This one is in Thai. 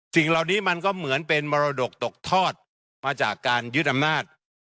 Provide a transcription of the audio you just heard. สิ่งเหล่านี้มันก็เหมือนเป็นมรดกตกทอดมาจากการยึดอำนาจ